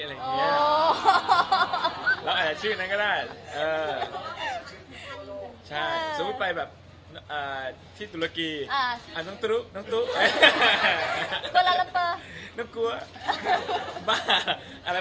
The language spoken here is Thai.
แล้วแอบชื่อนั้นก็ได้